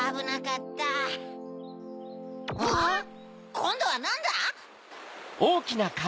⁉こんどはなんだ？